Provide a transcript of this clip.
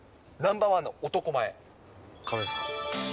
亀井さん。